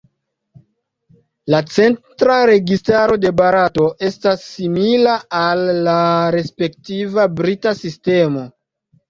La centra registaro de Barato estas simila al la respektiva brita sistemo.